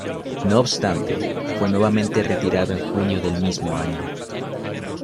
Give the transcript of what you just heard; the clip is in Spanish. No obstante, fue nuevamente retirado en junio del mismo año.